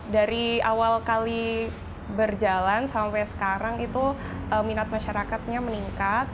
dari awal kali berjalan sampai sekarang itu minat masyarakatnya meningkat